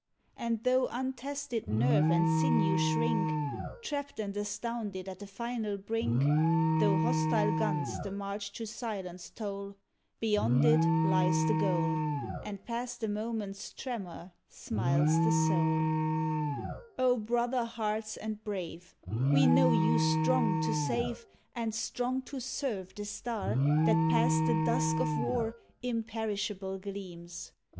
And though untested nerve and sinew shrink. Trapped and astounded at the final brink — Tho' hostile guns the march to silence toll, Beyond it lies the goal. And past the moment's tremor smiles the soul. 102 I'HE FLEET O brother hearts and brave, We know you strong to save, And strong to serve the Star That past the dusk of war Imperishable gleams.